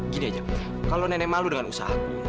gini aja kalo nenek malu dengan usaha aku